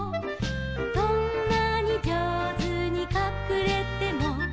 「どんなに上手にかくれても」